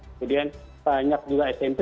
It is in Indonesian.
kemudian banyak juga smp